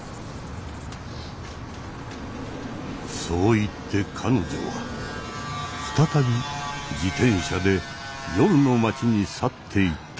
そう言って彼女は再び自転車で夜の街に去っていったので。